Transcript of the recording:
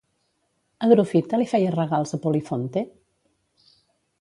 Adrofita li feia regals a Polifonte?